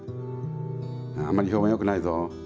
「あんまり評判良くないぞ。